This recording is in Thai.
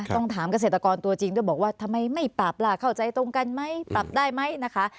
ต้องถามเกษตรกรตัวจริงด้วยบอกว่าทำไมไม่ปรับล่ะเข้าใจตรงกันไหมปรับได้ไหมนะคะ